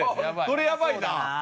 これやばいな。